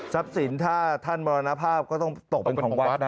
สินถ้าท่านมรณภาพก็ต้องตกเป็นของวัดนะ